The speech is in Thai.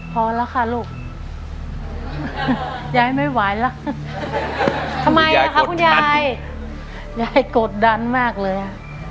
พอแล้วค่ะลูกยายไม่ไหวล่ะทำไมล่ะคะคุณยายยายกดดันมากเลยอ่ะ